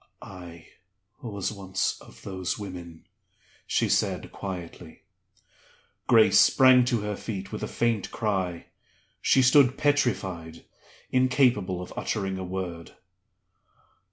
"I was once of those women," she said, quietly. Grace sprang to her feet with a faint cry. She stood petrified incapable of uttering a word.